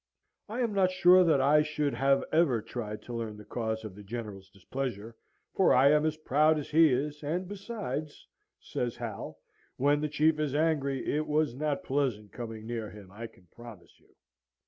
I am not sure that I should have ever tried to learn the cause of the General's displeasure, for I am as proud as he is, and besides" (says Hal), "when the Chief is angry, it was not pleasant coming near him, I can promise you."